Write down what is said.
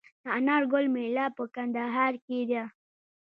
د انار ګل میله په کندهار کې ده.